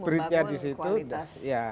spiritnya di situ ya